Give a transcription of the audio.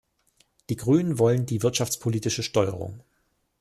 Die Grünen wollen die wirtschaftspolitische Steuerung.